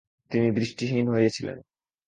তিনি দৃষ্টিহীন হয়েছিলেন।